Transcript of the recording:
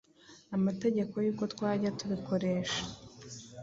amategeko y'uko twajya tubikoresha,